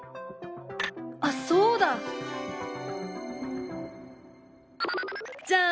あっそうだ！じゃん！